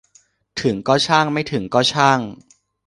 ถึงก็ช่างไม่ถึงก็ช่าง